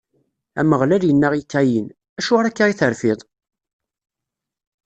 Ameɣlal inna i Kayin: Acuɣer akka i terfiḍ?